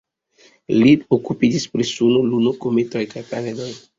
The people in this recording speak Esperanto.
Li okupiĝis pri Suno, Luno, kometoj, planedoj.